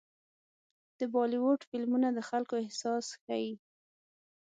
د بالیووډ فلمونه د خلکو احساس ښيي.